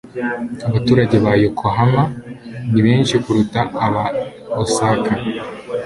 Abaturage ba Yokohama ni benshi kuruta aba Osaka